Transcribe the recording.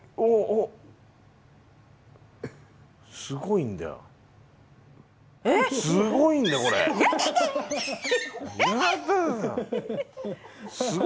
すごいな。